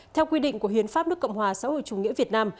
theo quy định của hiến pháp nước cộng hòa xã hội chủ nghĩa việt nam